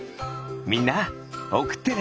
みんなおくってね！